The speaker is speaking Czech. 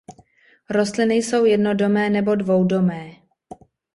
Rostliny jsou jednodomé nebo dvoudomé.